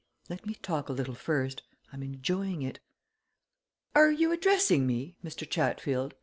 "Let me talk a little, first I'm enjoying it. Are you addressing me, Mr. Chatfield?"